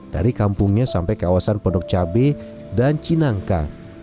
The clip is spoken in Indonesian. dari kampungnya sampai kawasan pondok cabe dan cinangka